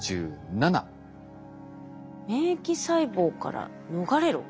「免疫細胞から逃れろ」。